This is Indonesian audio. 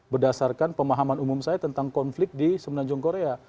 berdasarkan pemahaman umum saya tentang konflik di semenanjung korea